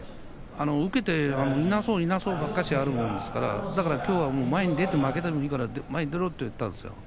受けていなそういなそうばっかりやるもんですからきょうは負けてもいいから前に出ろって言ったんですよ。